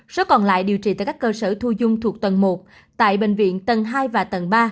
số còn lại điều trị tại các cơ sở thu dung thuộc tầng một tại bệnh viện tầng hai và tầng ba